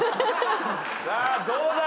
さあどうだ？